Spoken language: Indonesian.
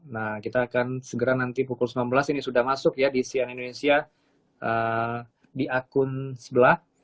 nah kita akan segera nanti pukul sembilan belas ini sudah masuk ya di sian indonesia di akun sebelah